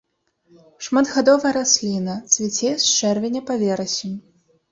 Шматгадовая расліна, цвіце з чэрвеня па верасень.